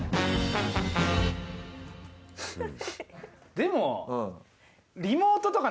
でも。